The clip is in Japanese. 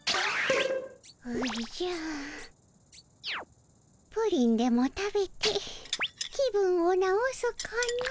おじゃプリンでも食べて気分を直すかの。